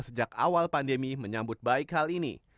sejak awal pandemi menyambut baik hal ini